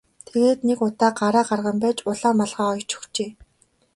Тэгээд нэгэн удаа гараа гарган байж улаан малгай оёж өгчээ.